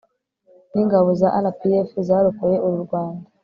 n'ingabo za rpf zarokoye uru rwanda